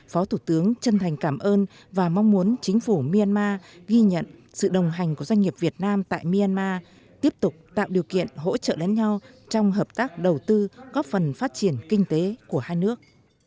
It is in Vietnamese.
phó thủ tướng chân thành cảm ơn và mong muốn chính phủ myanmar ghi nhận sự đồng hành của doanh nghiệp việt nam tại myanmar tiếp tục tạo điều kiện hỗ trợ lẫn nhau trong hợp tác đầu tư góp phần phát triển kinh tế của hai nước